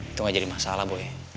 itu gak jadi masalah boy